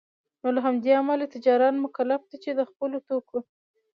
نوله همدې امله تجاران مکلف دی چي دخپلو توکو